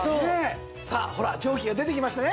さあほら蒸気が出てきましたね。